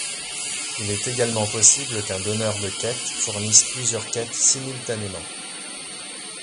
Il est également possible qu'un donneur de quête fournisse plusieurs quêtes simultanément.